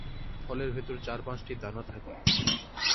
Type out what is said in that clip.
ফলের ভেতর চার-পাঁচটি দানা থাকে।